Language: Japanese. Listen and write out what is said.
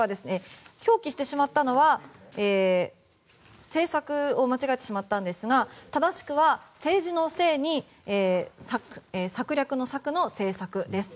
表記してしまったのは「せいさく」を間違えてしまったんですが正しくは政治の政に策略の策の政策です。